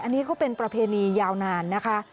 อันนี้เขาเป็นประเพณียาวนานนะคะ